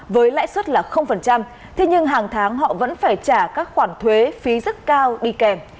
với lãi suất là thế nhưng hàng tháng họ vẫn phải trả các khoản thuế phí rất cao đi kèm